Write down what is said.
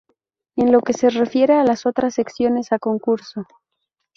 En lo que se refiere a las otras secciones a concurso.